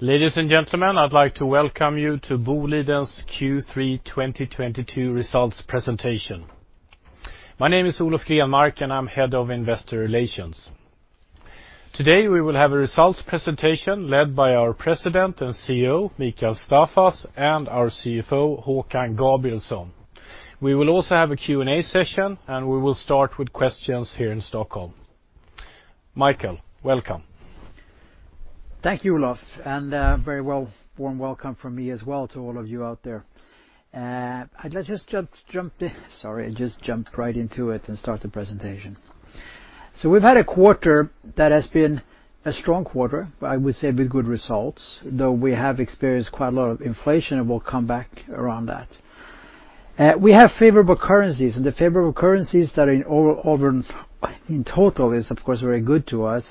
Ladies and gentlemen, I'd like to welcome you to Boliden's Q3 2022 results presentation. My name is Olof Grenmark, and I'm head of investor relations. Today, we will have a results presentation led by our President and CEO, Mikael Staffas, and our CFO, Håkan Gabrielsson. We will also have a Q&A session, and we will start with questions here in Stockholm. Mikael, welcome. Thank you, Olof, and a very warm welcome from me as well to all of you out there. Sorry, I just jumped right into it and start the presentation. We've had a quarter that has been a strong quarter, but I would say with good results, though we have experienced quite a lot of inflation, and we'll come back around that. We have favorable currencies, and the favorable currencies that are over in total is of course very good to us,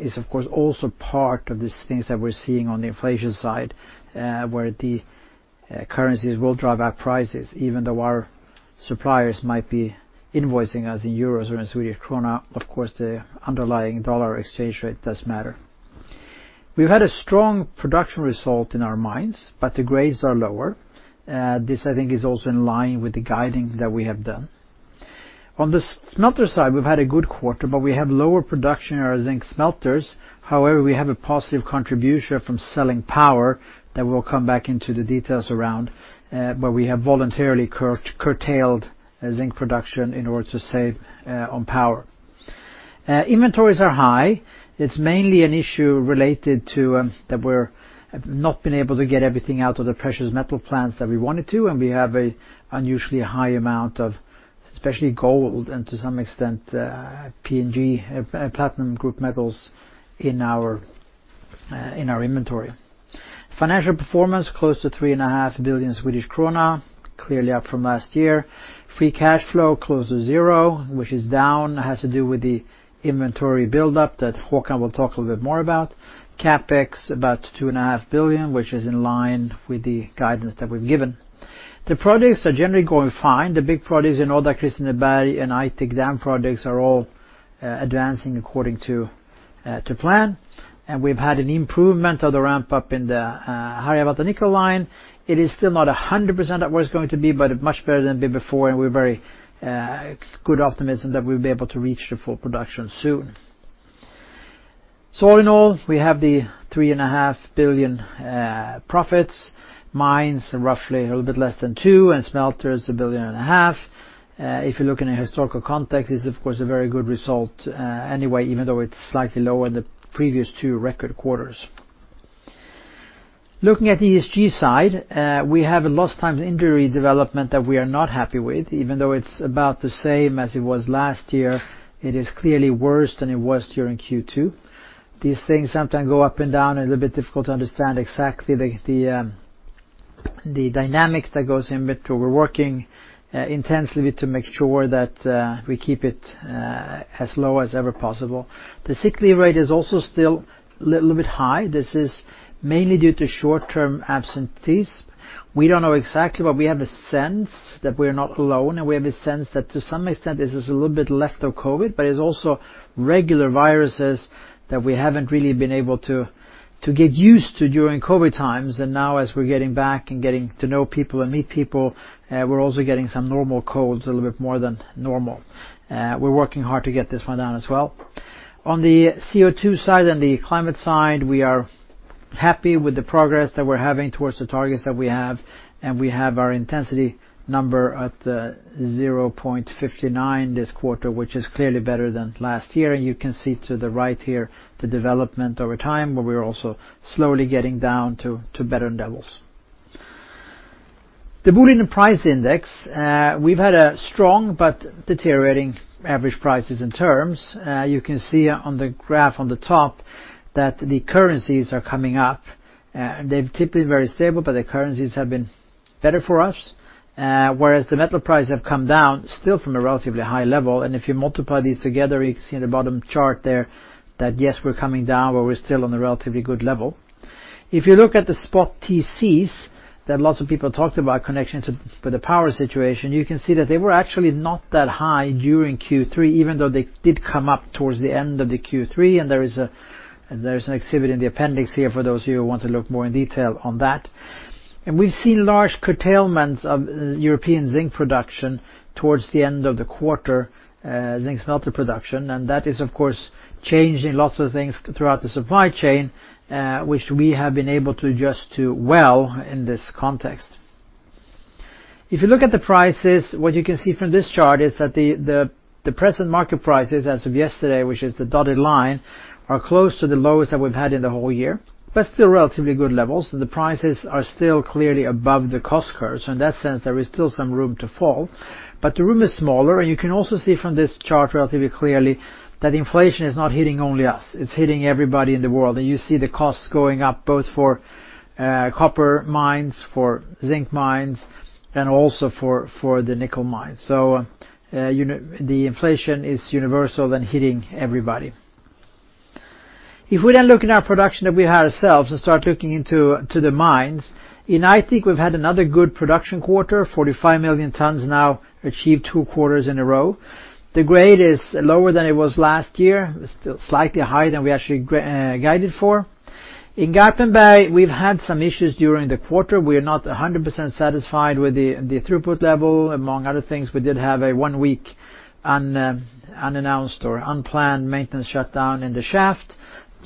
is of course also part of these things that we're seeing on the inflation side, where the currencies will drive our prices, even though our suppliers might be invoicing us in euros or in Swedish krona. Of course, the underlying dollar exchange rate does matter. We've had a strong production result in our mines, but the grades are lower. This, I think, is also in line with the guidance that we have done. On the smelter side, we've had a good quarter, but we have lower production in our zinc smelters. However, we have a positive contribution from selling power that we'll come back to the details around, where we have voluntarily curtailed zinc production in order to save on power. Inventories are high. It's mainly an issue related to that we haven't been able to get everything out of the precious metal plants that we wanted to, and we have an unusually high amount of especially gold and to some extent, PGM, platinum group metals in our inventory. Financial performance, close to 3.5 billion Swedish krona, clearly up from last year. Free cash flow, close to zero, which is down. It has to do with the inventory buildup that Håkan will talk a little bit more about. CapEx, about 2.5 billion, which is in line with the guidance that we've given. The projects are generally going fine. The big projects in Odda, Kristineberg, and Aitik dam projects are all advancing according to plan. We've had an improvement of the ramp up in the Harjavalta nickel line. It is still not 100% of where it's going to be, but much better than before. We're very good optimism that we'll be able to reach the full production soon. In all, we have the 3.5 billion profits. Mines, roughly a little bit less than 2 billion, and smelters, SEK 1.5 billion. If you look in a historical context, it's of course a very good result anyway, even though it's slightly lower than the previous two record quarters. Looking at the ESG side, we have a lost time injury development that we are not happy with. Even though it's about the same as it was last year, it is clearly worse than it was during Q2. These things sometimes go up and down. A little bit difficult to understand exactly the dynamics that goes in, but we're working intensely to make sure that we keep it as low as ever possible. The sick leave rate is also still a little bit high. This is mainly due to short-term absentees. We don't know exactly, but we have a sense that we're not alone, and we have a sense that to some extent, this is a little bit less of COVID, but it's also regular viruses that we haven't really been able to get used to during COVID times. Now as we're getting back and getting to know people and meet people, we're also getting some normal colds, a little bit more than normal. We're working hard to get this one down as well. On the CO₂ side and the climate side, we are happy with the progress that we're having towards the targets that we have, and we have our intensity number at 0.59 this quarter, which is clearly better than last year. You can see to the right here the development over time, where we are also slowly getting down to better levels. The Boliden price index, we've had a strong but deteriorating average prices in terms. You can see on the graph on the top that the currencies are coming up. They've typically been very stable, but the currencies have been better for us, whereas the metal prices have come down still from a relatively high level. If you multiply these together, you can see in the bottom chart there that yes, we're coming down, but we're still on a relatively good level. If you look at the spot TCs that lots of people talked about connection to the power situation, you can see that they were actually not that high during Q3, even though they did come up towards the end of the Q3. There is an exhibit in the appendix here for those who want to look more in detail on that. We've seen large curtailment of European zinc production towards the end of the quarter, zinc smelter production. That is, of course, changing lots of things throughout the supply chain, which we have been able to adjust to well in this context. If you look at the prices, what you can see from this chart is that the present market prices as of yesterday, which is the dotted line, are close to the lowest that we've had in the whole year, but still relatively good levels. The prices are still clearly above the cost curve. In that sense, there is still some room to fall, but the room is smaller. You can also see from this chart relatively clearly that inflation is not hitting only us, it's hitting everybody in the world. You see the costs going up both for copper mines, for zinc mines, and also for the nickel mines. The inflation is universal and hitting everybody. If we then look in our production that we had ourselves and start looking into the mines, I think we've had another good production quarter, 45 million tons now achieved two quarters in a row. The grade is lower than it was last year, still slightly higher than we actually guided for. In Garpenberg, we've had some issues during the quarter. We are not 100% satisfied with the throughput level. Among other things, we did have a one-week unannounced or unplanned maintenance shutdown in the shaft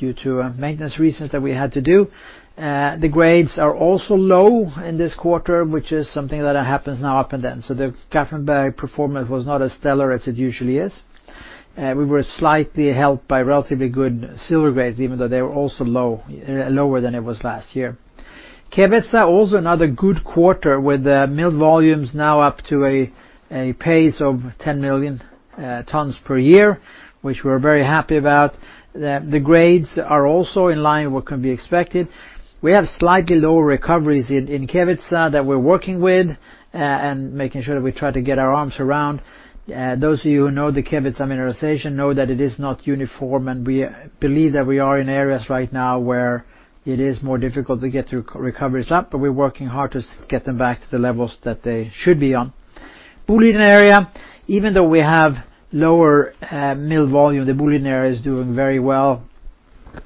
due to maintenance reasons that we had to do. The grades are also low in this quarter, which is something that happens now up and down. The Garpenberg performance was not as stellar as it usually is. We were slightly helped by relatively good silver grades, even though they were also low, lower than it was last year. Kevitsa, also another good quarter with the mill volumes now up to a pace of 10 million tons per year, which we're very happy about. The grades are also in line with what can be expected. We have slightly lower recoveries in Kevitsa that we're working with and making sure that we try to get our arms around. Those of you who know the Kevitsa mineralization know that it is not uniform, and we believe that we are in areas right now where it is more difficult to get through recoveries up, but we're working hard to get them back to the levels that they should be on. Boliden Area, even though we have lower mill volume, the Boliden Area is doing very well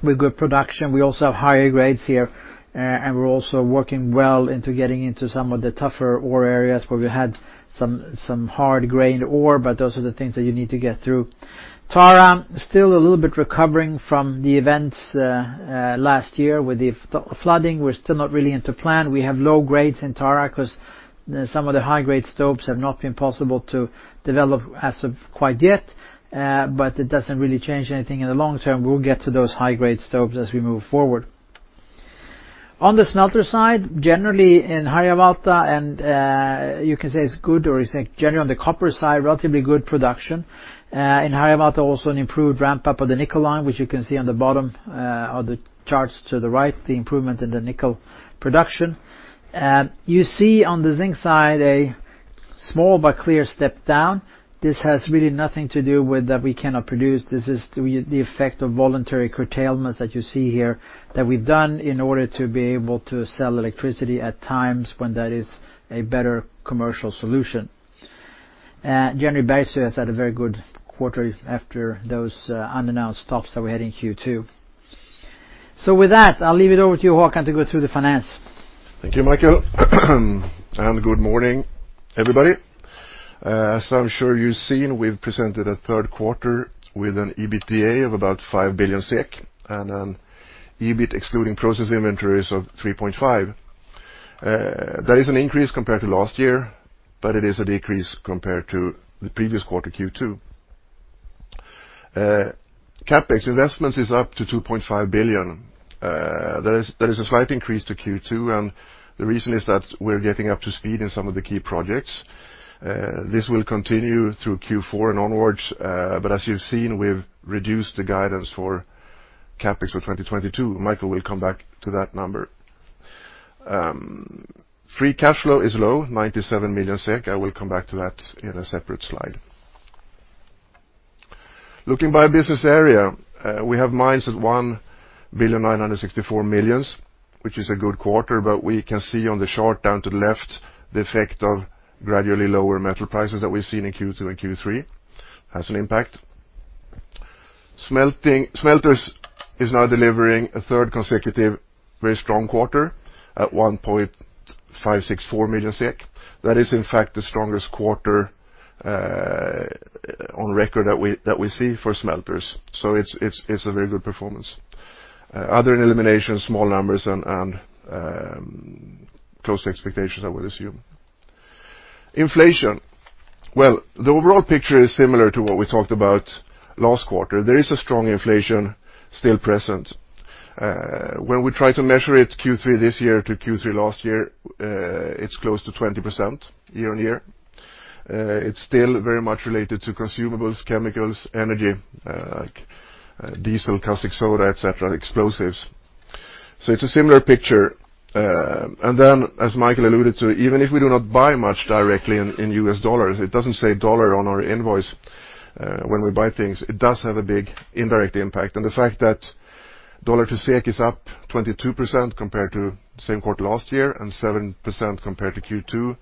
with good production. We also have higher grades here, and we're also working well into getting into some of the tougher ore areas where we had some hard grain ore, but those are the things that you need to get through. Tara, still a little bit recovering from the events last year with the flooding. We're still not really into plan. We have low grades in Tara because some of the high-grade stopes have not been possible to develop as of quite yet, but it doesn't really change anything in the long term. We'll get to those high-grade stopes as we move forward. On the smelter side, generally in Harjavalta, and you can say it's good or it's like generally on the copper side, relatively good production. In Harjavalta, also an improved ramp-up of the nickel line, which you can see on the bottom of the charts to the right, the improvement in the nickel production. You see on the zinc side a small but clear step down. This has really nothing to do with that we cannot produce. This is the effect of voluntary curtailments that you see here that we've done in order to be able to sell electricity at times when that is a better commercial solution. Generally, Bergsöe has had a very good quarter after those unannounced stops that we had in Q2. With that, I'll leave it over to you, Håkan, to go through the finance. Thank you, Michael. Good morning, everybody. As I'm sure you've seen, we've presented a third quarter with an EBITDA of about 5 billion SEK and an EBIT excluding process inventories of 3.5 billion. That is an increase compared to last year, but it is a decrease compared to the previous quarter, Q2. CapEx investments is up to 2.5 billion. That is a slight increase to Q2, and the reason is that we're getting up to speed in some of the key projects. This will continue through Q4 and onwards, as you've seen, we've reduced the guidance for CapEx for 2022. Michael will come back to that number. Free cash flow is low, 97 million SEK. I will come back to that in a separate slide. Looking by business area, we have mines at 1,964 million, which is a good quarter, but we can see on the chart down to the left the effect of gradually lower metal prices that we've seen in Q2 and Q3 has an impact. Smelters is now delivering a third consecutive very strong quarter at 1,564 million SEK. That is in fact the strongest quarter on record that we see for smelters. So it's a very good performance. Other than elimination, small numbers and close to expectations, I would assume. Inflation. Well, the overall picture is similar to what we talked about last quarter. There is a strong inflation still present. When we try to measure it Q3 this year to Q3 last year, it's close to 20% year-on-year. It's still very much related to consumables, chemicals, energy, like diesel, caustic soda, et cetera, explosives. It's a similar picture. As Mikael alluded to, even if we do not buy much directly in U.S. dollars, it doesn't say dollar on our invoice, when we buy things, it does have a big indirect impact. The fact that dollar to SEK is up 22% compared to the same quarter last year and 7% compared to Q2,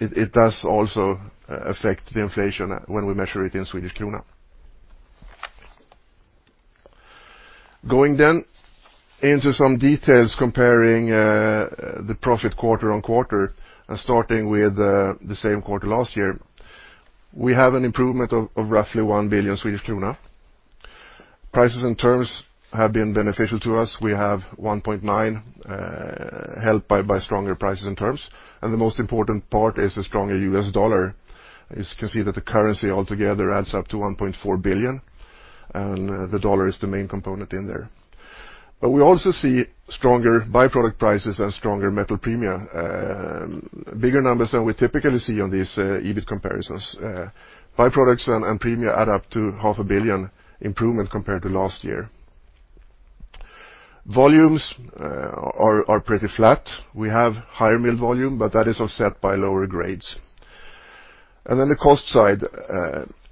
it does also affect the inflation when we measure it in Swedish krona. Going into some details comparing the profit quarter-on-quarter and starting with the same quarter last year, we have an improvement of roughly 1 billion Swedish krona. Prices and terms have been beneficial to us. We have 1.9 helped by stronger prices and terms, and the most important part is the stronger US dollar. As you can see that the currency altogether adds up to 1.4 billion, and the dollar is the main component in there. We also see stronger by-product prices and stronger metal premia, bigger numbers than we typically see on these EBIT comparisons. By-products and premia add up to half a billion SEK improvement compared to last year. Volumes are pretty flat. We have higher mill volume, but that is offset by lower grades. The cost side,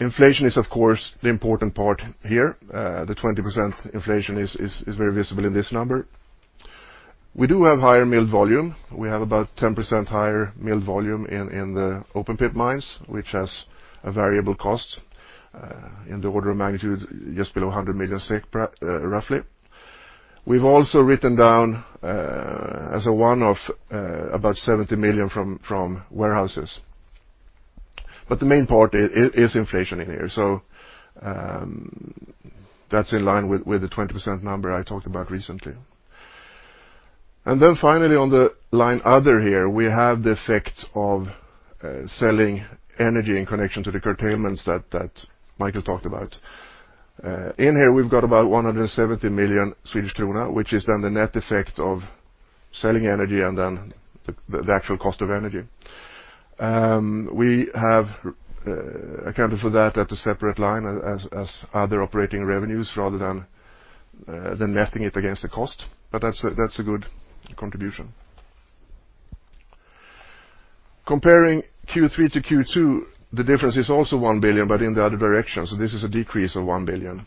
inflation is, of course, the important part here. The 20% inflation is very visible in this number. We do have higher mill volume. We have about 10% higher mill volume in the open pit mines, which has a variable cost in the order of magnitude just below 100 million SEK, roughly. We've also written down as a one-off about 70 million from warehouses. But the main part is inflation in here. That's in line with the 20% number I talked about recently. Finally on the line other here, we have the effect of selling energy in connection to the curtailments that Mikael talked about. In here, we've got about 170 million Swedish krona, which is then the net effect of selling energy and then the actual cost of energy. We have accounted for that at a separate line as other operating revenues rather than netting it against the cost, but that's a good contribution. Comparing Q3 to Q2, the difference is also 1 billion, but in the other direction, so this is a decrease of 1 billion.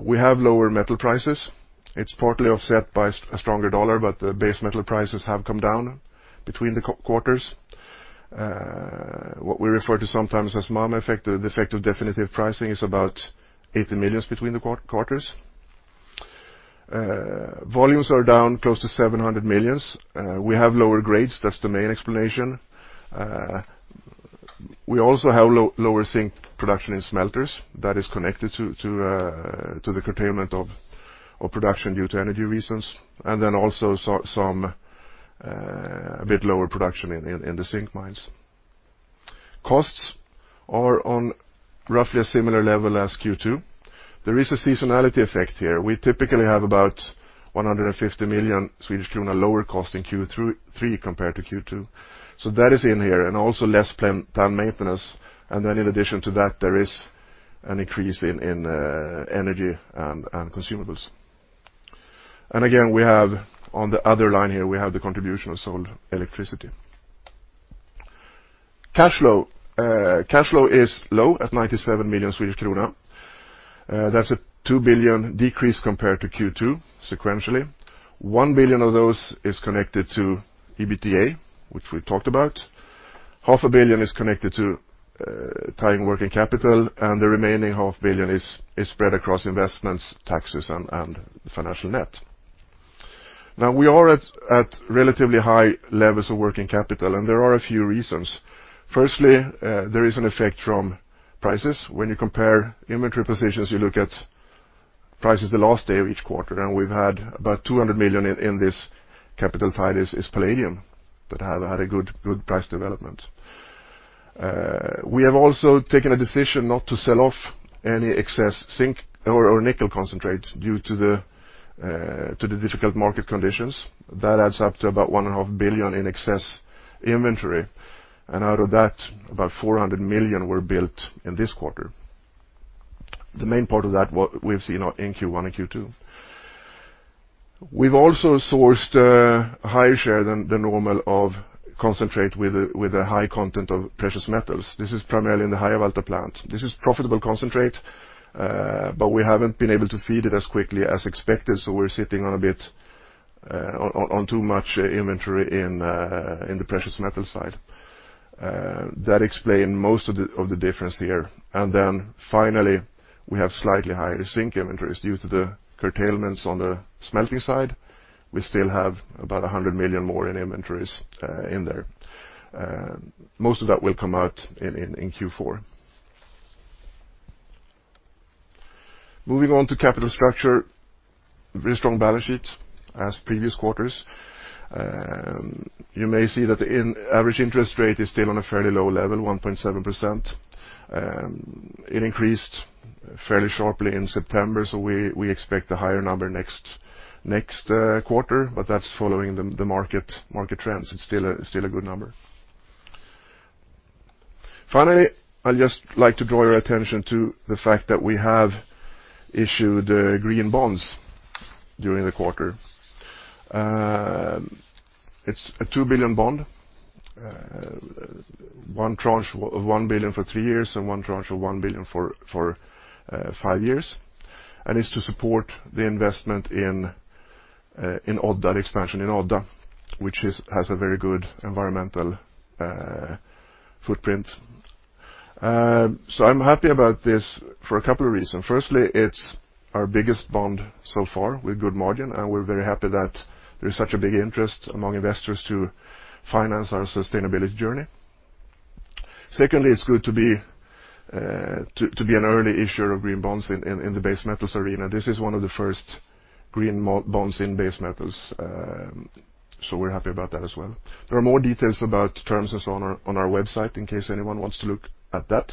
We have lower metal prices. It's partly offset by a stronger dollar, but the base metal prices have come down between the quarters. What we refer to sometimes as MAMA effect, the effect of definitive pricing is about 80 million between the quarters. Volumes are down close to 700 million. We have lower grades. That's the main explanation. We also have lower zinc production in smelters that is connected to the curtailment of production due to energy reasons, and then also some a bit lower production in the zinc mines. Costs are on roughly a similar level as Q2. There is a seasonality effect here. We typically have about 150 million Swedish krona lower cost in Q3 three compared to Q2. That is in here, and also less plant maintenance. In addition to that, there is an increase in energy and consumables. Again, we have on the other line here, we have the contribution of sold electricity. Cash flow. Cash flow is low at 97 million Swedish krona. That's a 2 billion SEK decrease compared to Q2 sequentially. 1 billion of those is connected to EBITDA, which we talked about. SEK half a billion is connected to tying working capital, and the remaining half billion is spread across investments, taxes, and financial net. Now we are at relatively high levels of working capital, and there are a few reasons. Firstly, there is an effect from prices. When you compare inventory positions, you look at prices the last day of each quarter, and we've had about 200 million in this capital tied up is palladium that have had a good price development. We have also taken a decision not to sell off any excess zinc or nickel concentrate due to the difficult market conditions. That adds up to about 1.5 billion in excess inventory, and out of that, about 400 million were built in this quarter. The main part of that we've seen in Q1 and Q2. We've also sourced a higher share than the normal of concentrate with a high content of precious metals. This is primarily in the High Valley plant. This is profitable concentrate, but we haven't been able to feed it as quickly as expected, so we're sitting on a bit on too much inventory in the precious metal side. That explain most of the difference here. Then finally, we have slightly higher zinc inventories due to the curtailments on the smelting side. We still have about 100 million more in inventories in there. Most of that will come out in Q4. Moving on to capital structure. Very strong balance sheet as previous quarters. You may see that the average interest rate is still on a fairly low level, 1.7%. It increased fairly sharply in September, so we expect a higher number next quarter, but that's following the market trends. It's still a good number. Finally, I'd just like to draw your attention to the fact that we have issued green bonds during the quarter. It's a 2 billion bond, one tranche of 1 billion for three years and one tranche of 1 billion for five years, and is to support the investment in Odda, the expansion in Odda, which has a very good environmental footprint. I'm happy about this for a couple of reasons. Firstly, it's our biggest bond so far with good margin, and we're very happy that there is such a big interest among investors to finance our sustainability journey. Secondly, it's good to be an early issuer of green bonds in the base metals arena. This is one of the first green bonds in base metals, so we're happy about that as well. There are more details about terms and so on our website in case anyone wants to look at that.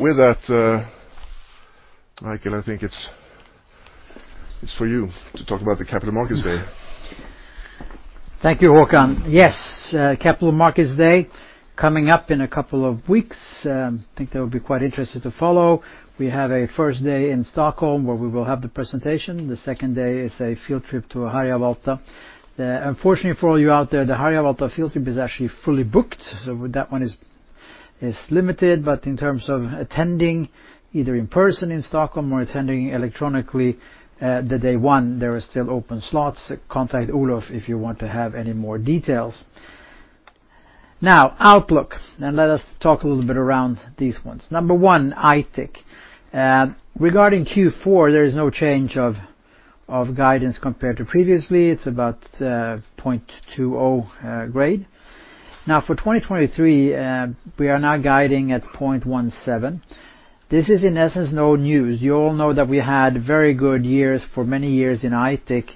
With that, Mikael, I think it's for you to talk about the Capital Markets Roadshow. Thank you, Håkan. Yes, Capital Markets Day coming up in a couple of weeks. Think that will be quite interesting to follow. We have a first day in Stockholm where we will have the presentation. The second day is a field trip to Harjavalta. Unfortunately for all you out there, the Harjavalta field trip is actually fully booked, so that one is limited. In terms of attending, either in person in Stockholm or attending electronically, the day one, there are still open slots. Contact Olof if you want to have any more details. Now, outlook, and let us talk a little bit around these ones. Number one, Aitik. Regarding Q4, there is no change of guidance compared to previously. It's about 0.20 grade. Now, for 2023, we are now guiding at 0.17. This is in essence no news. You all know that we had very good years for many years in Aitik,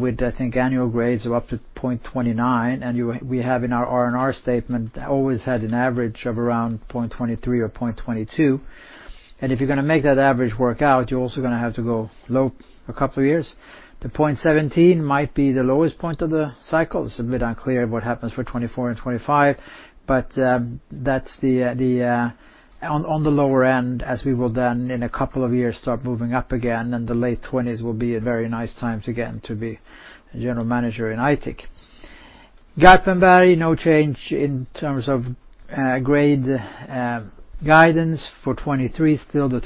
with, I think, annual grades of up to 0.29, and we have in our R&R statement always had an average of around 0.23 or 0.22. If you're gonna make that average work out, you're also gonna have to go low a couple of years. The 0.17 might be the lowest point of the cycle. It's a bit unclear what happens for 2024 and 2025, but that's on the lower end as we will then in a couple of years start moving up again, and the late 2020s will be a very nice time to get in to be general manager in Aitik. Garpenberg, no change in terms of grade guidance. For 2023, still the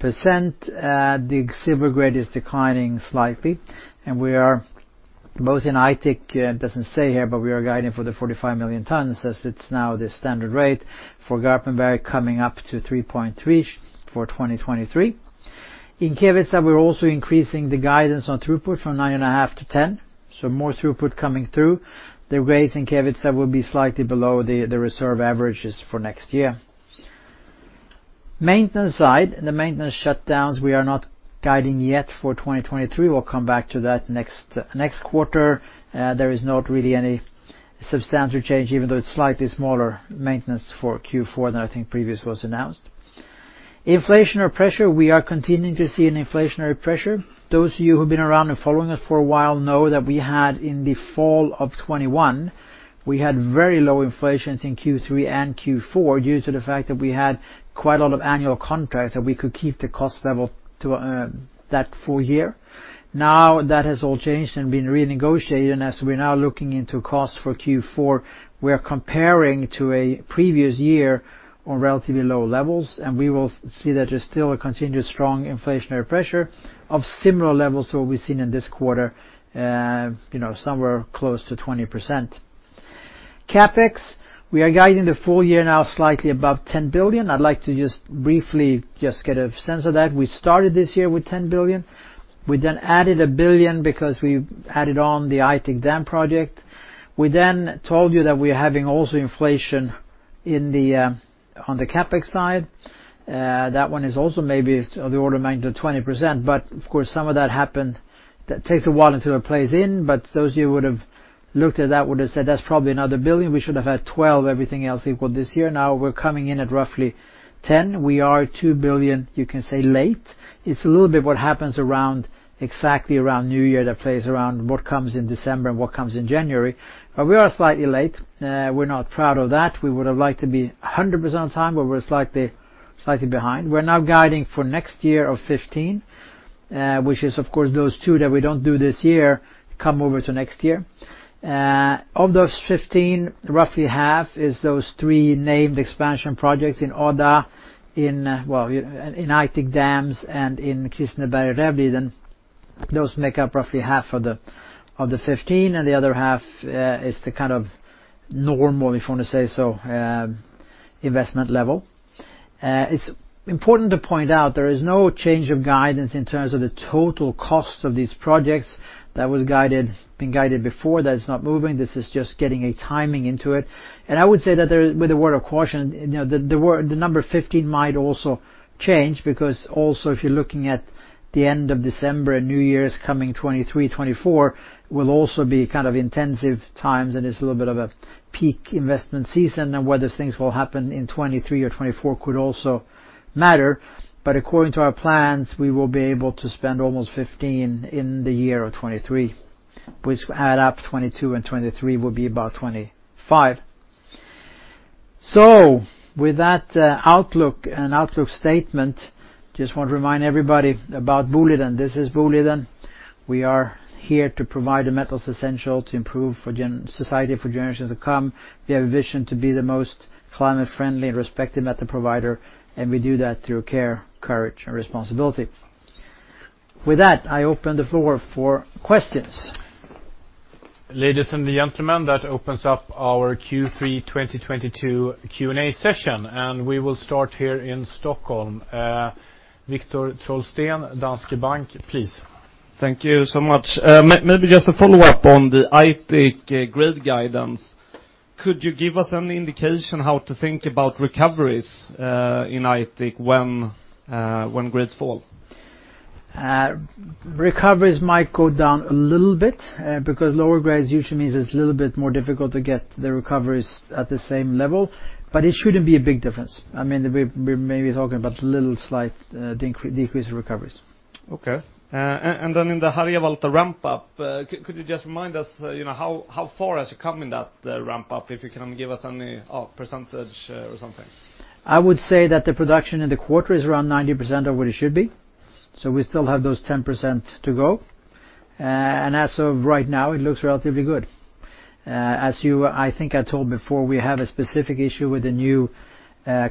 3.6%. The silver grade is declining slightly. We are both in Aitik, it doesn't say here, but we are guiding for 45 million tonnes as it's now the standard rate for Garpenberg coming up to 3.3 for 2023. In Kevitsa, we're also increasing the guidance on throughput from 9.5 to 10, so more throughput coming through. The grades in Kevitsa will be slightly below the reserve averages for next year. Maintenance side, the maintenance shutdowns we are not guiding yet for 2023. We'll come back to that next quarter. There is not really any substantial change, even though it's slightly smaller maintenance for Q4 than I think previous was announced. Inflationary pressure, we are continuing to see an inflationary pressure. Those of you who've been around and following us for a while know that we had in the fall of 2021, we had very low inflations in Q3 and Q4 due to the fact that we had quite a lot of annual contracts that we could keep the cost level to, that full year. Now that has all changed and been renegotiated, and as we're now looking into costs for Q4, we are comparing to a previous year on relatively low levels, and we will see that there's still a continuous strong inflationary pressure of similar levels to what we've seen in this quarter, you know, somewhere close to 20%. CapEx, we are guiding the full year now slightly above 10 billion. I'd like to just briefly just get a sense of that. We started this year with 10 billion. We added 1 billion because we added on the Aitik dam project. We told you that we're having also inflation on the CapEx side. That one is also maybe of the order of maybe 20%. Of course, some of that happened, that takes a while until it plays in, but those of you who would have looked at that would have said that's probably another billion. We should have had 12 billion everything else equal this year. Now we're coming in at roughly 10 billion. We are 2 billion, you can say, late. It's a little bit what happens around, exactly around New Year that plays around what comes in December and what comes in January. We are slightly late. We're not proud of that. We would have liked to be 100% on time, but we're slightly behind. We're now guiding for next year of 15, which is of course those two that we don't do this year come over to next year. Of those 15, roughly half is those three named expansion projects in Odda, in Aitik, and in Kristineberg-Rävliden. Those make up roughly half of the 15, and the other half is the kind of normal, if you want to say so, investment level. It's important to point out there is no change of guidance in terms of the total cost of these projects that has been guided before. That is not moving. This is just getting a timing into it. I would say that there, with a word of caution, you know, the word, the number 15 might also change because also if you're looking at the end of December and New Year's coming 2023, 2024 will also be kind of intensive times, and it's a little bit of a peak investment season and whether things will happen in 2023 or 2024 could also matter. But according to our plans, we will be able to spend almost 15 in the year of 2023, which add up 2022 and 2023 will be about 25. With that, outlook and outlook statement, just want to remind everybody about Boliden. This is Boliden. We are here to provide the metals essential to improve society for generations to come. We have a vision to be the most climate friendly and respected metal provider, and we do that through care, courage and responsibility. With that, I open the floor for questions. Ladies and gentlemen, that opens up our Q3 2022 Q&A session, and we will start here in Stockholm. Viktor Trollsten, Danske Bank, please. Thank you so much. Maybe just a follow-up on the Aitik grade guidance. Could you give us an indication how to think about recoveries in Aitik when grades fall? Recoveries might go down a little bit, because lower grades usually means it's a little bit more difficult to get the recoveries at the same level, but it shouldn't be a big difference. I mean, we're maybe talking about a little slight decrease in recoveries. Okay. In the Harjavalta ramp up, could you just remind us, you know, how far has it come in that ramp up? If you can give us any percentage or something. I would say that the production in the quarter is around 90% of what it should be, so we still have those 10% to go. As of right now it looks relatively good. I think I told before, we have a specific issue with the new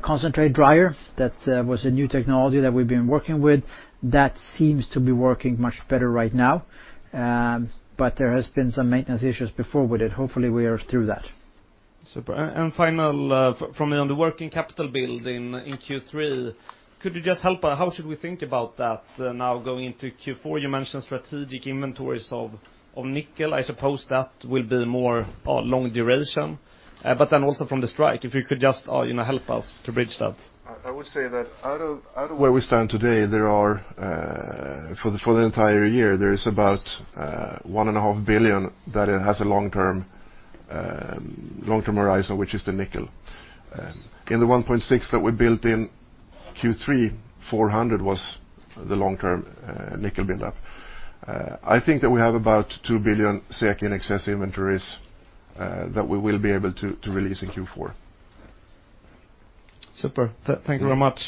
concentrate dryer that was a new technology that we've been working with. That seems to be working much better right now, but there has been some maintenance issues before with it. Hopefully we are through that. Super. Final from me on the working capital build in Q3, could you just help us? How should we think about that now going into Q4? You mentioned strategic inventories of nickel. I suppose that will be more long duration. But then also from the strike, if you could just you know help us to bridge that. I would say that out of where we stand today, for the entire year, there is about 1.5 billion that it has a long-term horizon, which is the nickel. In the 1.6 billion that we built in Q3, 400 million was the long-term nickel build-up. I think that we have about 2 billion SEK in excess inventories that we will be able to release in Q4. Super. Thank you very much.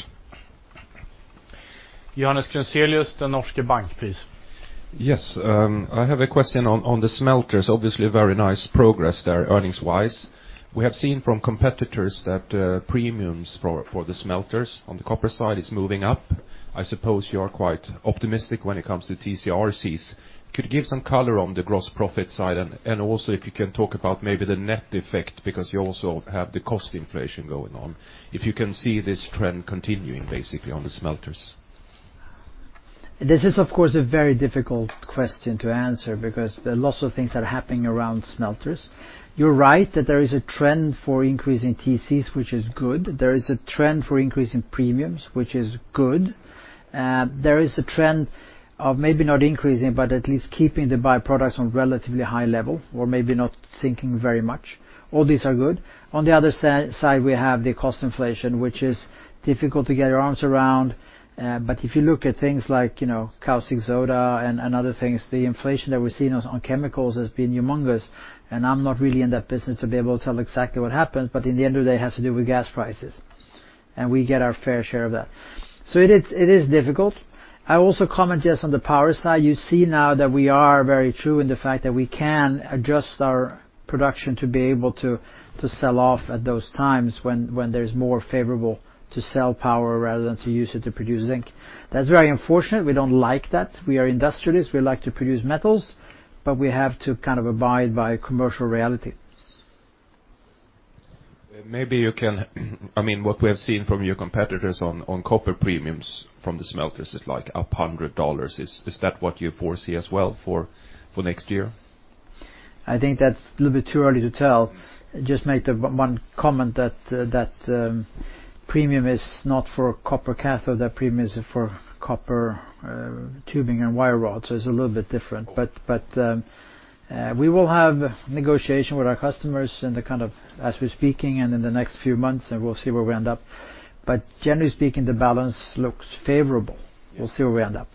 Johannes Grunselius, DNB Markets, please. Yes. I have a question on the smelters. Obviously a very nice progress there earnings-wise. We have seen from competitors that premiums for the smelters on the copper side is moving up. I suppose you are quite optimistic when it comes to TC/RCs. Could you give some color on the gross profit side? Also if you can talk about maybe the net effect because you also have the cost inflation going on, if you can see this trend continuing basically on the smelters. This is of course a very difficult question to answer because there are lots of things that are happening around smelters. You're right that there is a trend for increasing TCs, which is good. There is a trend for increase in premiums, which is good. There is a trend of maybe not increasing, but at least keeping the byproducts on relatively high level or maybe not sinking very much. All these are good. On the other side, we have the cost inflation, which is difficult to get your arms around. If you look at things like, you know, caustic soda and other things, the inflation that we're seeing on chemicals has been humongous, and I'm not really in that business to be able to tell exactly what happened, but at the end of the day, it has to do with gas prices, and we get our fair share of that. It is difficult. I also comment just on the power side. You see now that we are very true to the fact that we can adjust our production to be able to sell off at those times when it's more favorable to sell power rather than to use it to produce zinc. That's very unfortunate. We don't like that. We are industrialists, we like to produce metals, but we have to kind of abide by commercial reality. Maybe you can, I mean, what we have seen from your competitors on copper premiums from the smelters is like up $100. Is that what you foresee as well for next year? I think that's a little bit too early to tell. Just make the one comment that premium is not for copper cathode. That premium is for copper tubing and wire rod, so it's a little bit different. We will have negotiation with our customers kind of as we're speaking and in the next few months, and we'll see where we end up. Generally speaking, the balance looks favorable. We'll see where we end up.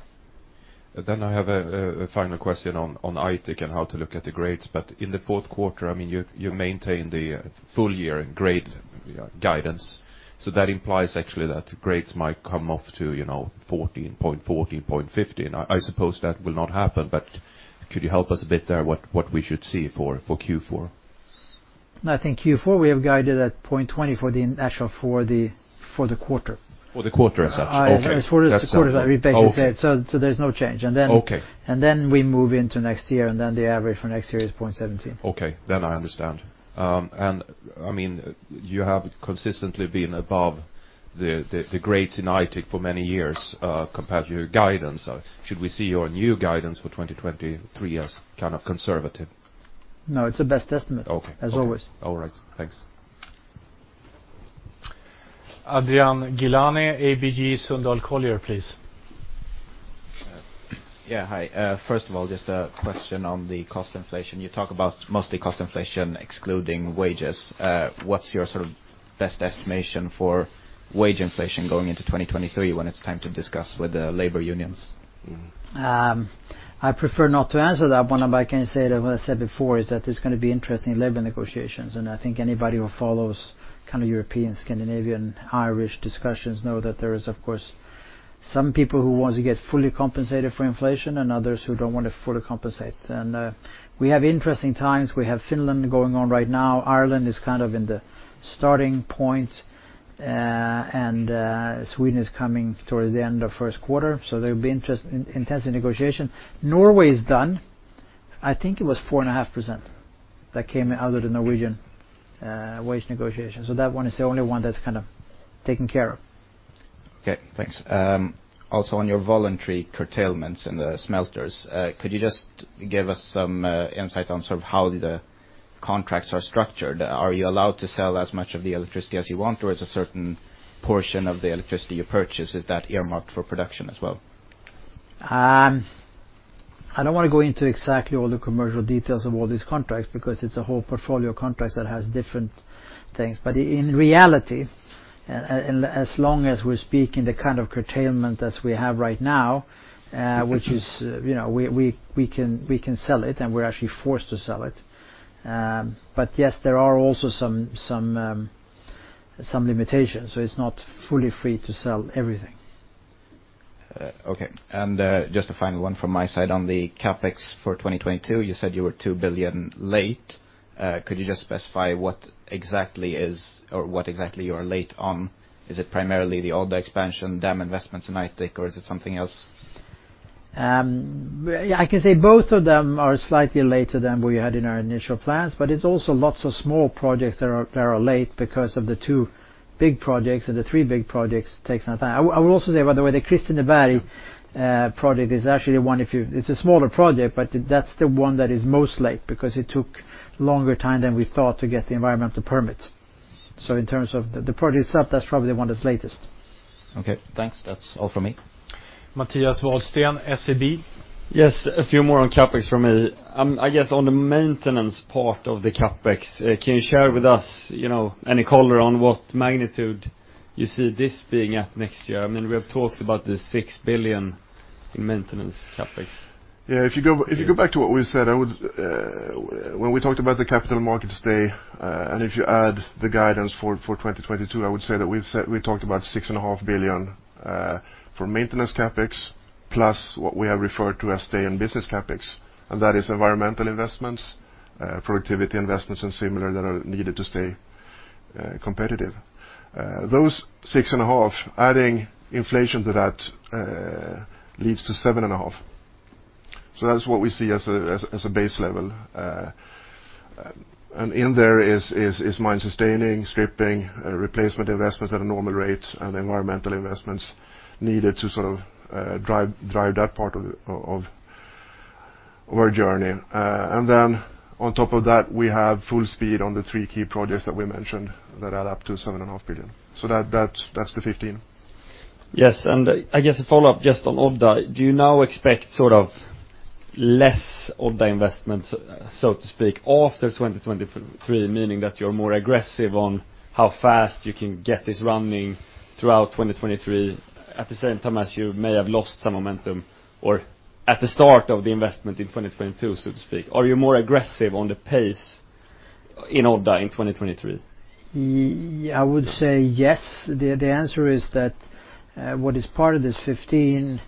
I have a final question on Aitik and how to look at the grades. In the fourth quarter, I mean, you maintain the full year grade guidance. That implies actually that grades might come off to, you know, 0.14-0.15. I suppose that will not happen, but could you help us a bit there what we should see for Q4? No, I think Q4 we have guided at 0.20 for the actual, for the quarter. For the quarter as such? Okay. As for the quarter. I repeat and say it. Oh, okay. There's no change. Okay. We move into next year, and then the average for next year is 0.17. I understand. I mean, you have consistently been above the grades in Aitik for many years, compared to your guidance. Should we see your new guidance for 2023 as kind of conservative? No, it's a best estimate. Okay. As always. All right. Thanks. Adrian Gilani, ABG Sundal Collier, please. Yeah. Hi. First of all, just a question on the cost inflation. You talk about mostly cost inflation excluding wages. What's your sort of best estimation for wage inflation going into 2023 when it's time to discuss with the labor unions? I prefer not to answer that one, but I can say that what I said before is that it's gonna be interesting labor negotiations, and I think anybody who follows kind of European, Scandinavian, Irish discussions know that there is of course some people who want to get fully compensated for inflation and others who don't want to fully compensate. We have interesting times. We have Finland going on right now. Ireland is kind of in the starting point, and Sweden is coming towards the end of first quarter, so there'll be intense negotiation. Norway is done. I think it was 4.5% that came out of the Norwegian wage negotiation, so that one is the only one that's kind of taken care of. Okay. Thanks. Also on your voluntary curtailments in the smelters, could you just give us some insight on sort of how the contracts are structured? Are you allowed to sell as much of the electricity as you want, or is a certain portion of the electricity you purchase, is that earmarked for production as well? I don't want to go into exactly all the commercial details of all these contracts because it's a whole portfolio of contracts that has different things. In reality, as long as we're speaking the kind of curtailment as we have right now, which is, you know, we can sell it and we're actually forced to sell it. Yes, there are also some limitations, so it's not fully free to sell everything. Okay. Just a final one from my side on the CapEx for 2022, you said you were 2 billion late. Could you just specify what exactly you are late on? Is it primarily the older expansion dam investments in Aitik, or is it something else? Yeah, I can say both of them are slightly later than we had in our initial plans, but it's also lots of small projects that are late because of the two big projects, or the three big projects take some time. I would also say, by the way, the Kristineberg project is actually one of few. It's a smaller project, but that's the one that is most late because it took longer time than we thought to get the environmental permits. In terms of the project itself, that's probably the one that's latest. Okay, thanks. That's all from me. Mattias Wallsten, SEB. Yes, a few more on CapEx from me. I guess on the maintenance part of the CapEx, can you share with us, you know, any color on what magnitude you see this being at next year? I mean, we have talked about the 6 billion in maintenance CapEx. Yeah. If you go back to what we said, when we talked about the Capital Markets Day and if you add the guidance for 2022, I would say that we've said we talked about 6.5 billion for maintenance CapEx plus what we have referred to as stay in business CapEx. That is environmental investments, productivity investments and similar that are needed to stay competitive. Those 6.5 billion, adding inflation to that, leads to 7.5 billion. That is what we see as a base level. In there is mine sustaining, stripping, replacement investments at a normal rate and environmental investments needed to sort of drive that part of our journey. on top of that, we have full speed on the three key projects that we mentioned that add up to 7.5 billion. That's the 15 billion. Yes. I guess a follow-up just on Odda. Do you now expect sort of less Odda investments, so to speak, after 2023, meaning that you're more aggressive on how fast you can get this running throughout 2023 at the same time as you may have lost some momentum or at the start of the investment in 2022, so to speak? Are you more aggressive on the pace in Odda in 2023? Yeah, I would say yes. The answer is that what is part of this 15,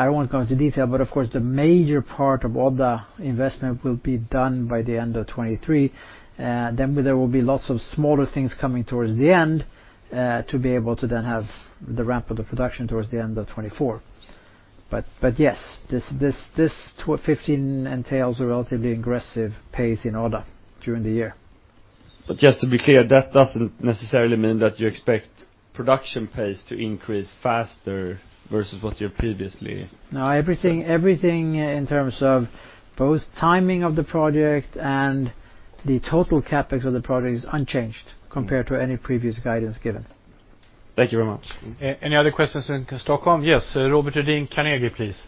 I won't go into detail, but of course, the major part of Odda investment will be done by the end of 2023. There will be lots of smaller things coming towards the end to be able to then have the ramp of the production towards the end of 2024. Yes, this 15 entails a relatively aggressive pace in Odda during the year. Just to be clear, that doesn't necessarily mean that you expect production pace to increase faster versus what you previously- No, everything in terms of both timing of the project and the total CapEx of the project is unchanged compared to any previous guidance given. Thank you very much. Any other questions in Stockholm? Yes. Robert Hedin, Carnegie, please.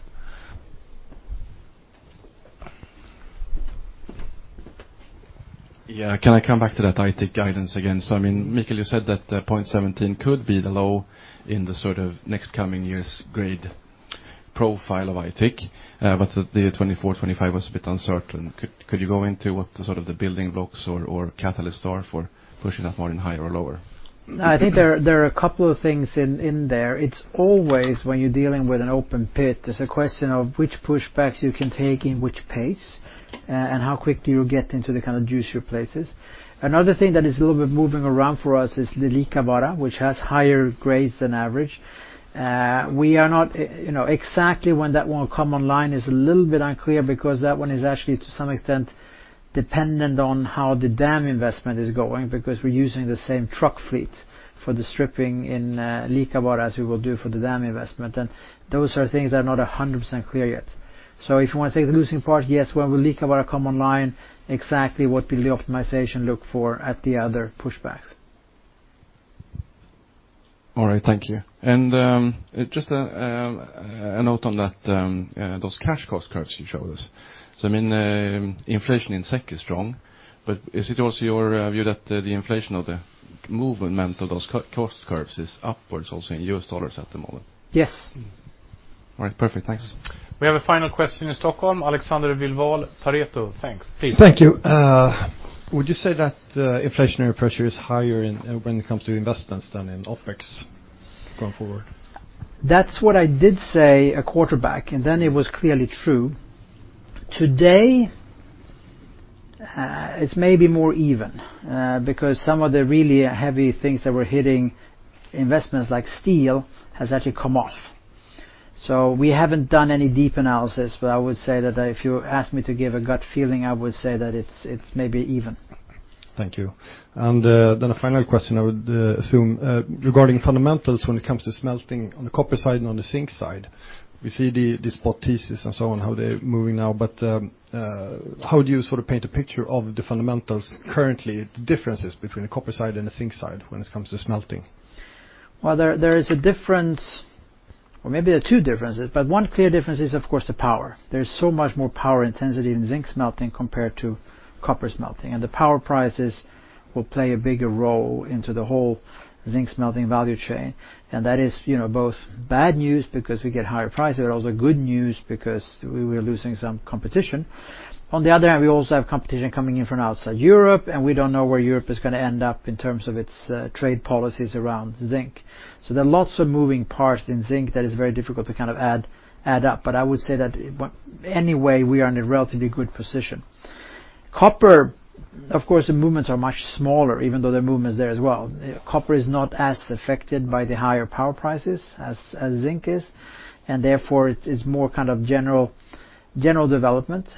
Yeah. Can I come back to that Aitik guidance again? I mean, Mikael, you said that 0.17 could be the low in the sort of next coming years grade profile of Aitik, but 2024, 2025 was a bit uncertain. Could you go into what the sort of building blocks or catalysts are for pushing that more in higher or lower? I think there are a couple of things in there. It's always when you're dealing with an open pit, there's a question of which pushbacks you can take in which pace, and how quick do you get into the kind of juicier places. Another thing that is a little bit moving around for us is the Liikavaara, which has higher grades than average. We are not, you know, exactly when that one will come online is a little bit unclear because that one is actually to some extent dependent on how the dam investment is going because we're using the same truck fleet for the stripping in Liikavaara as we will do for the dam investment. Those are things that are not 100% clear yet. If you want to say the closing part, yes, when will Liikavaara come online, exactly what will the optimization look like at the other pushbacks. All right. Thank you. Just a note on that, those cash cost curves you showed us. I mean, inflation in SEK is strong, but is it also your view that the inflation of the movement of those cash cost curves is upwards also in US dollars at the moment? Yes. All right. Perfect. Thanks. We have a final question in Stockholm, Alexander Vilval, Pareto. Thanks. Please. Thank you. Would you say that, inflationary pressure is higher in, when it comes to investments than in OpEx going forward? That's what I did say a quarter back, and then it was clearly true. Today, it's maybe more even, because some of the really heavy things that were hitting investments like steel has actually come off. We haven't done any deep analysis, but I would say that if you ask me to give a gut feeling, I would say that it's maybe even. Thank you. Then a final question I would assume regarding fundamentals when it comes to smelting on the copper side and on the zinc side, we see the spot thesis and so on, how they're moving now. How do you sort of paint a picture of the fundamentals currently, the differences between the copper side and the zinc side when it comes to smelting? Well, there is a difference, or maybe there are two differences, but one clear difference is, of course, the power. There's so much more power intensity in zinc smelting compared to copper smelting, and the power prices will play a bigger role into the whole zinc smelting value chain. That is, you know, both bad news because we get higher prices, but also good news because we're losing some competition. On the other hand, we also have competition coming in from outside Europe, and we don't know where Europe is gonna end up in terms of its trade policies around zinc. There are lots of moving parts in zinc that is very difficult to kind of add up. I would say that anyway, we are in a relatively good position. Copper, of course, the movements are much smaller, even though there are movements there as well. Copper is not as affected by the higher power prices as zinc is, and therefore it is more kind of general development.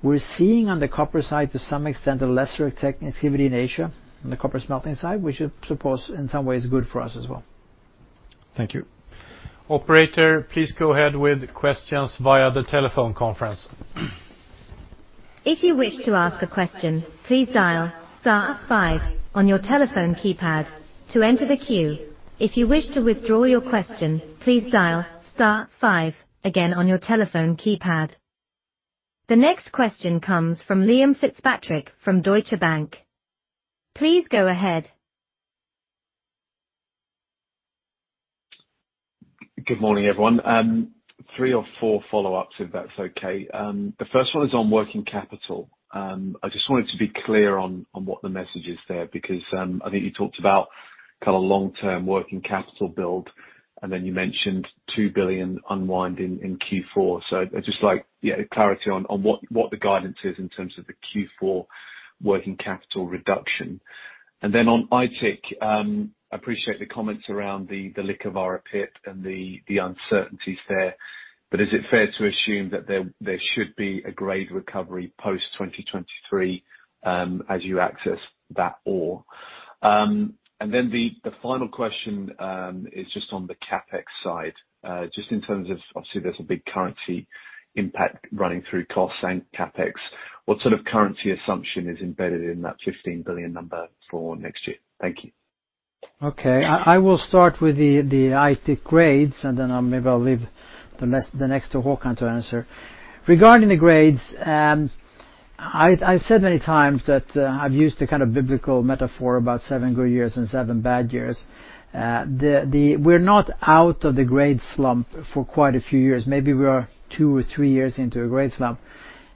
We're seeing on the copper side to some extent, a lesser activity in Asia on the copper smelting side, which I suppose in some ways good for us as well. Thank you. Operator, please go ahead with questions via the telephone conference. If you wish to ask a question, please dial star five on your telephone keypad to enter the queue. If you wish to withdraw your question, please dial star five again on your telephone keypad. The next question comes from Liam Fitzpatrick from Deutsche Bank. Please go ahead. Good morning, everyone. Three or four follow-ups, if that's okay. The first one is on working capital. I just wanted to be clear on what the message is there because I think you talked about kind of long-term working capital build, and then you mentioned 2 billion unwind in Q4. So I'd just like clarity on what the guidance is in terms of the Q4 working capital reduction. Then on Aitik, I appreciate the comments around the Liikavaara pit and the uncertainties there. But is it fair to assume that there should be a grade recovery post-2023 as you access that ore? Then the final question is just on the CapEx side, just in terms of obviously, there's a big currency impact running through costs and CapEx. What sort of currency assumption is embedded in that 15 billion number for next year? Thank you. Okay. I will start with the Aitik grades and then I'll maybe leave the next to Håkan to answer. Regarding the grades, I've said many times that I've used a kind of biblical metaphor about seven good years and seven bad years. We're not out of the grade slump for quite a few years. Maybe we are two or three years into a grade slump.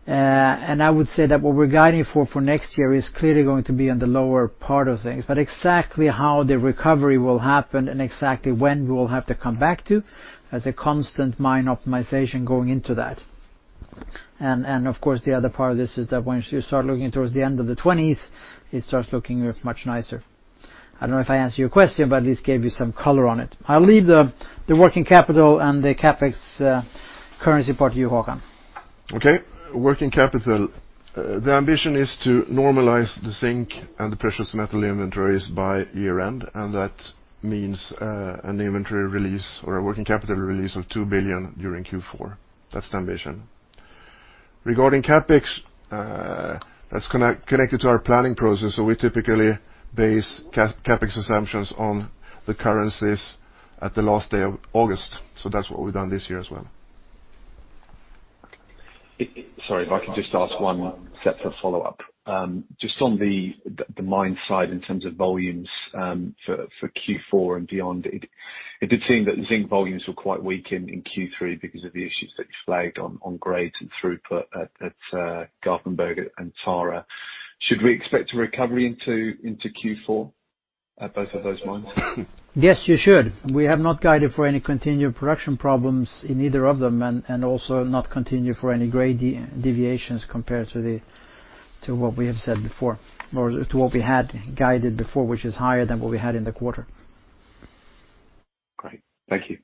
I would say that what we're guiding for next year is clearly going to be on the lower part of things, but exactly how the recovery will happen and exactly when we will have to come back to, there's a constant mine optimization going into that. Of course, the other part of this is that once you start looking towards the end of the twenties, it starts looking much nicer. I don't know if I answered your question, but at least gave you some color on it. I'll leave the working capital and the CapEx currency part to you, Håkan. Okay. Working capital, the ambition is to normalize the zinc and the precious metal inventories by year-end, and that means, an inventory release or a working capital release of 2 billion during Q4. That's the ambition. Regarding CapEx, that's connected to our planning process, so we typically base CapEx assumptions on the currencies at the last day of August. That's what we've done this year as well. Sorry, if I can just ask one separate follow-up. Just on the mine side in terms of volumes, for Q4 and beyond, it did seem that zinc volumes were quite weakened in Q3 because of the issues that you flagged on grades and throughput at Garpenberg and Tara. Should we expect a recovery into Q4 at both of those mines? Yes, you should. We have not guided for any continued production problems in either of them and also not continued for any grade deviations compared to what we have said before or to what we had guided before, which is higher than what we had in the quarter. Great. Thank you.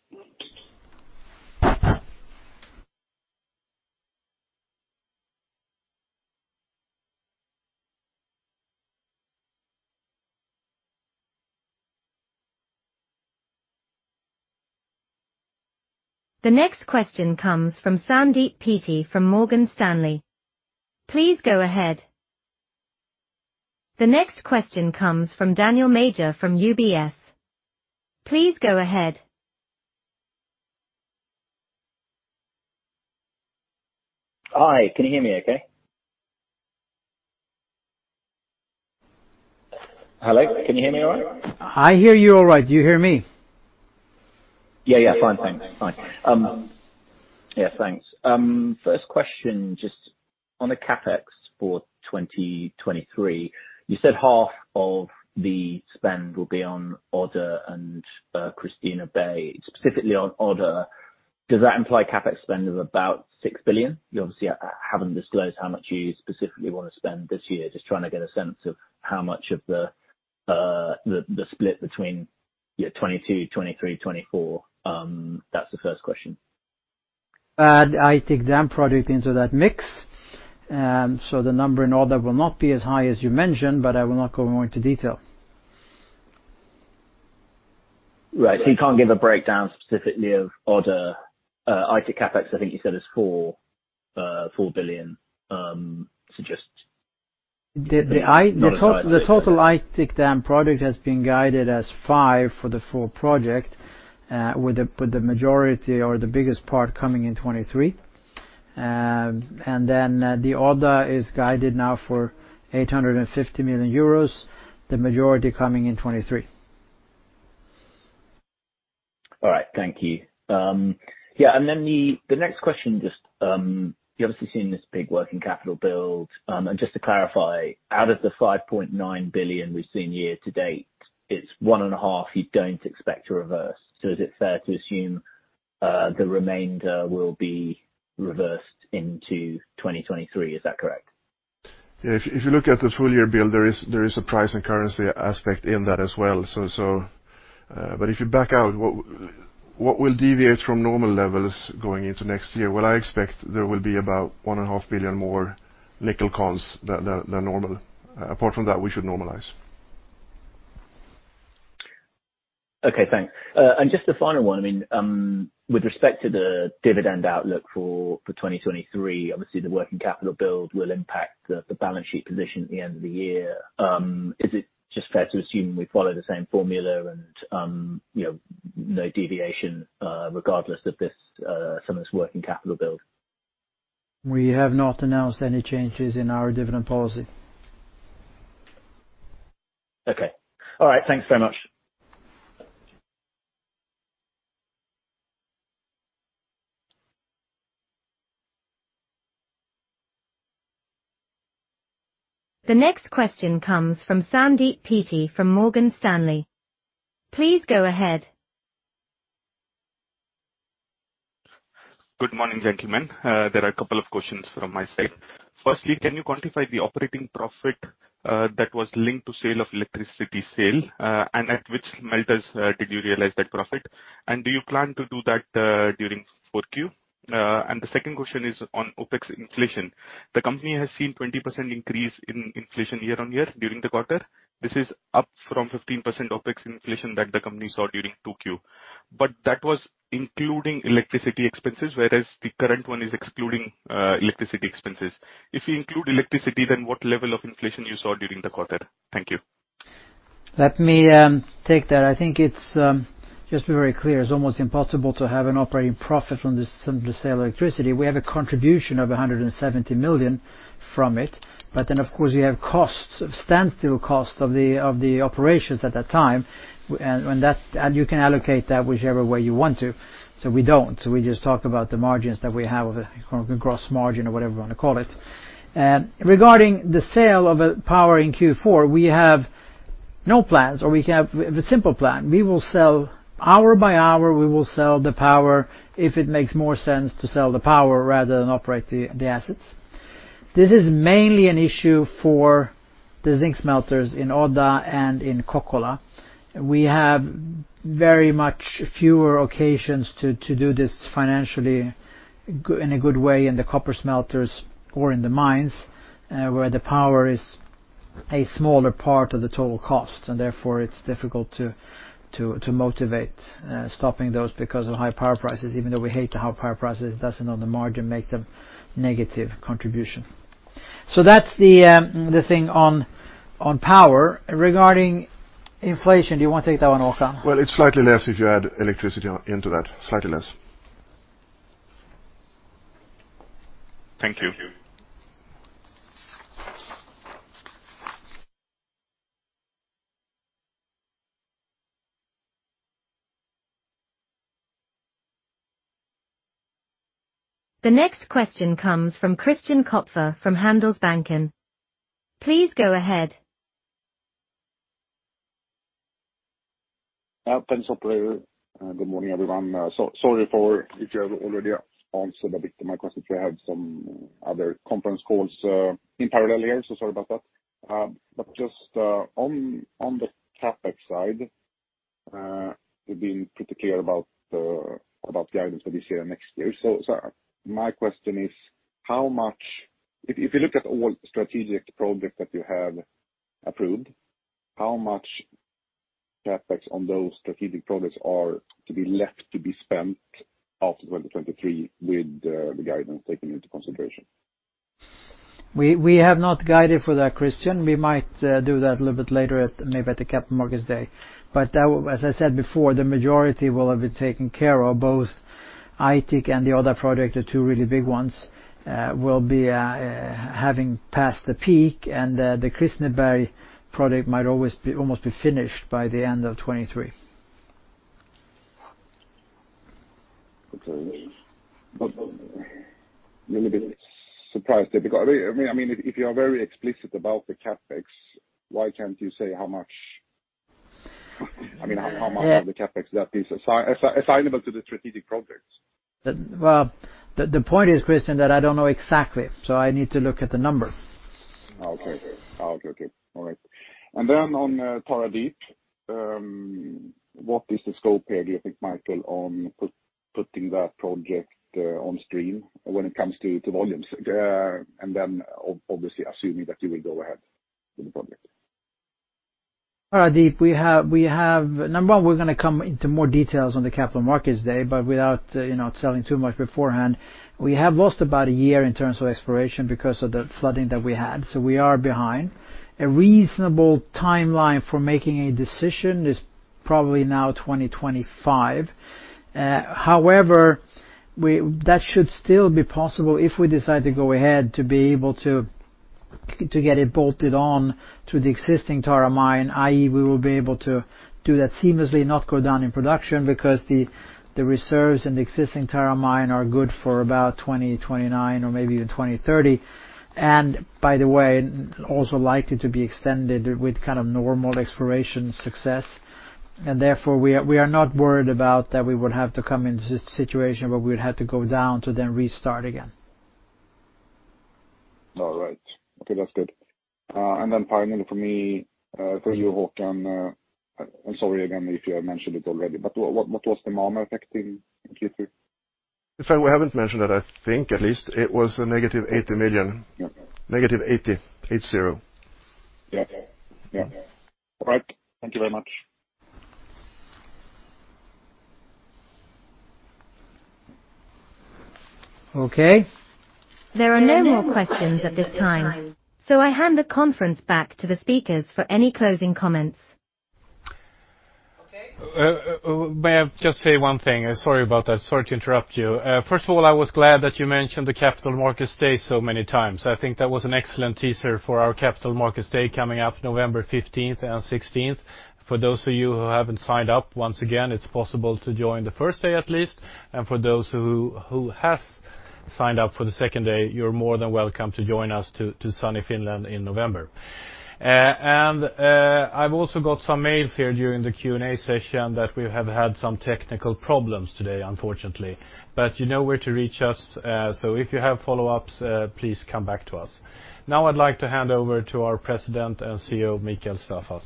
The next question comes from Sandeep Peety from Morgan Stanley. Please go ahead. The next question comes from Daniel Major from UBS. Please go ahead. Hi. Can you hear me okay? Hello? Can you hear me all right? I hear you all right. Do you hear me? Yeah, yeah. Fine, thanks. Fine. Yeah, thanks. First question, just on the CapEx for 2023, you said half of the spend will be on Odda and Kristineberg. Specifically on Odda, does that imply CapEx spend of about 6 billion? You obviously haven't disclosed how much you specifically wanna spend this year. Just trying to get a sense of how much of the split between, you know, 2022, 2023, 2024. That's the first question. Aitik then probably into that mix. The number in Odda will not be as high as you mentioned, but I will not go more into detail. Right. You can't give a breakdown specifically of Odda, Aitik CapEx. I think you said it's 4 billion, so just- The total Aitik dam project has been guided as SEK five for the full project, with the majority or the biggest part coming in 2023. The order is guided now for 850 million euros, the majority coming in 2023. All right. Thank you. You're obviously seeing this big working capital build. Just to clarify, out of the 5.9 billion we've seen year to date, it's 1.5 billion you don't expect to reverse. Is it fair to assume the remainder will be reversed into 2023? Is that correct? Yeah. If you look at the full year build, there is a price and currency aspect in that as well. If you back out what will deviate from normal levels going into next year, I expect there will be about 1.5 billion more nickel cons than normal. Apart from that, we should normalize. Okay. Thanks. Just the final one, I mean, with respect to the dividend outlook for 2023, obviously the working capital build will impact the balance sheet position at the end of the year. Is it just fair to assume we follow the same formula and, you know, no deviation, regardless of this some of this working capital build? We have not announced any changes in our dividend policy. Okay. All right. Thanks very much. The next question comes from Alain Gabriel from Morgan Stanley. Please go ahead. Good morning, gentlemen. There are a couple of questions from my side. Firstly, can you quantify the operating profit that was linked to sale of electricity, and at which smelters did you realize that profit? Do you plan to do that during Q4? The second question is on OpEx inflation. The company has seen 20% increase in inflation year-on-year during the quarter. This is up from 15% OpEx inflation that the company saw during Q2. But that was including electricity expenses, whereas the current one is excluding electricity expenses. If you include electricity, then what level of inflation you saw during the quarter? Thank you. Let me take that. I think it's just to be very clear, it's almost impossible to have an operating profit from the sale of electricity. We have a contribution of 170 million from it. Then of course, we have costs, standstill costs of the operations at that time. You can allocate that whichever way you want to. We don't. We just talk about the margins that we have, the gross margin or whatever you wanna call it. Regarding the sale of power in Q4, we have no plans, or we have a simple plan. We will sell hour by hour, we will sell the power if it makes more sense to sell the power rather than operate the assets. This is mainly an issue for the zinc smelters in Odda and in Kokkola. We have very much fewer occasions to do this financially in a good way in the copper smelters or in the mines, where the power is a smaller part of the total cost, and therefore it's difficult to motivate stopping those because of high power prices. Even though we hate the high power prices, it doesn't on the margin make them negative contribution. That's the thing on power. Regarding inflation, do you wanna take that one, Håkan? Well, it's slightly less if you add electricity into that, slightly less. Thank you. The next question comes from Christian Kopfer from Handelsbanken. Please go ahead. Yeah. Thanks, operator. Good morning, everyone. Sorry if you have already answered a bit my question. I have some other conference calls in parallel here, sorry about that. But just on the CapEx side, you've been pretty clear about the items for this year and next year. My question is, how much CapEx on those strategic projects are to be left to be spent after 2023 with the guidance taken into consideration? We have not guided for that, Christian. We might do that a little bit later at, maybe at the Capital Markets Day. That will, as I said before, the majority will have been taken care of, both Aitik and the other project, the two really big ones will be having passed the peak, and the Kristineberg project might almost be finished by the end of 2023. Okay. Little bit surprised there because, I mean, if you are very explicit about the CapEx, why can't you say how much, I mean. Yeah. How much of the CapEx that is assignable to the strategic projects? Well, the point is, Christian, that I don't know exactly, so I need to look at the number. Okay. All right. On Tara Deep, what is the scope here, do you think, Mikael, on putting that project on stream when it comes to volumes? Obviously assuming that you will go ahead with the project. All right, Deep, number one, we're gonna come into more details on the Capital Markets Day, but without, you know, selling too much beforehand, we have lost about a year in terms of exploration because of the flooding that we had, so we are behind. A reasonable timeline for making a decision is probably now 2025. However, that should still be possible, if we decide to go ahead, to be able to get it bolted on to the existing Tara mine, i.e., we will be able to do that seamlessly, not go down in production because the reserves in the existing Tara mine are good for about 2029 or maybe even 2030. By the way, also likely to be extended with kind of normal exploration success. Therefore, we are not worried about that we would have to come into this situation where we would have to go down to then restart again. All right. Okay, that's good. Finally for me, for you, Håkan, I'm sorry again if you have mentioned it already, but what was the normal affecting in Q2? If I haven't mentioned it, I think at least it was -80 million. Yeah. -80. Yeah. Yeah. All right. Thank you very much. Okay. There are no more questions at this time, so I hand the conference back to the speakers for any closing comments. Okay. May I just say one thing? Sorry about that. Sorry to interrupt you. First of all, I was glad that you mentioned the Capital Markets Day so many times. I think that was an excellent teaser for our Capital Markets Day coming up November fifteenth and sixteenth. For those of you who haven't signed up, once again, it's possible to join the first day at least. For those who have signed up for the second day, you're more than welcome to join us to sunny Finland in November. I've also got some emails here during the Q&A session that we have had some technical problems today, unfortunately. You know where to reach us, so if you have follow-ups, please come back to us. Now I'd like to hand over to our President and CEO, Mikael Staffas.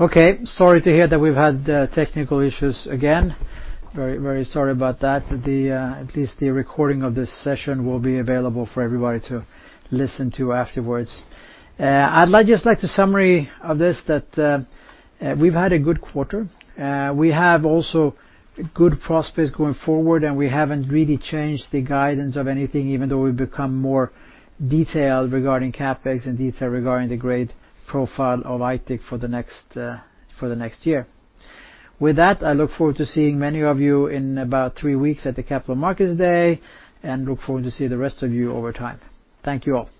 Okay. Sorry to hear that we've had technical issues again. Very, very sorry about that. At least the recording of this session will be available for everybody to listen to afterwards. I'd like to summarize this, that we've had a good quarter. We have also good prospects going forward, and we haven't really changed the guidance of anything, even though we've become more detailed regarding CapEx and detail regarding the grade profile of Aitik for the next year. With that, I look forward to seeing many of you in about three weeks at the Capital Markets Day, and look forward to see the rest of you over time. Thank you all.